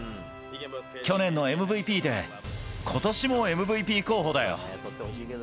去年のＭＶＰでことしもＭＶＰ候補だよ。